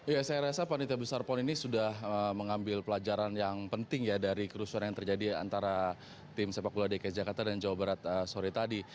ya saya rasa panitia besar pon ini sudah mengambil pelajaran yang penting ya dari kerusuhan yang terjadi antara tim sepak bola dki jakarta dan jawa barat sore tadi